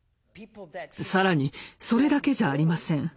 更にそれだけじゃありません。